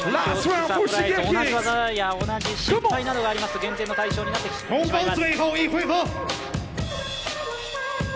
同じ技や同じ失敗などがありますと減点の対象になってしまいます。